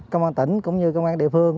công an tỉnh cũng như công an địa phương